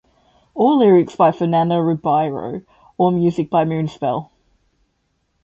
All lyrics by Fernando Ribeiro, all music by Moonspell.